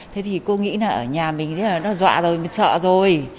thế thì cô nghĩ là ở nhà mình nó dọa rồi nó sợ rồi